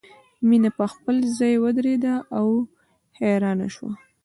مینه په خپل ځای ودریده او حیرانه شوه